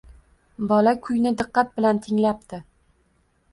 Bola kuyni diqqat bilan tinglabdi